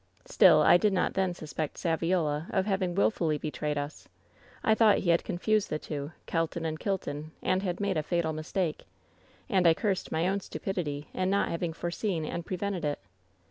Still, I did not then suspect Saviola of having wilfully betrayed us. I thought he had confused the two — ^Kelton and Kilton — and had made a fatal mistake. And I cursed my ovni stupidity in not having foreseen and prevented it.